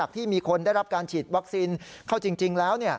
ที่มีคนได้รับการฉีดวัคซีนเข้าจริงแล้ว